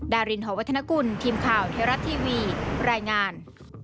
ดารินหอวัฒนกุลทีมข่าวไทยรัฐทีวีรายงาน